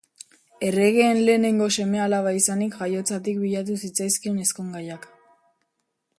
Erregeen lehenengo seme-alaba izanik, jaiotzatik bilatu zitzaizkion ezkongaiak.